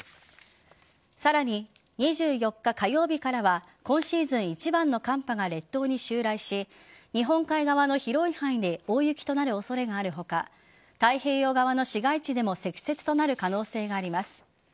さらに２４日火曜日からは今シーズン一番の寒波が列島に襲来し日本海側の広い範囲で大雪となる恐れがある他太平洋側の市街地でも積雪となる可能性があります。